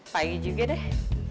pagi juga deh